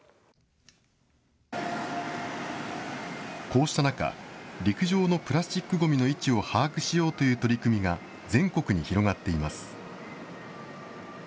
こうした中、陸上のプラスチックごみの位置を把握しようという取り組みが、全国に広がっています。